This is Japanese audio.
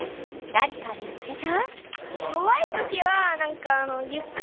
何か見つけた？